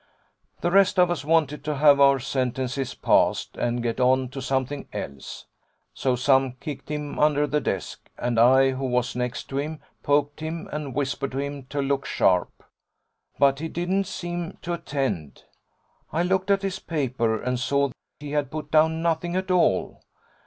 The rest of us wanted to have our sentences passed, and get on to something else, so some kicked him under the desk, and I, who was next to him, poked him and whispered to him to look sharp. But he didn't seem to attend. I looked at his paper and saw he had put down nothing at all.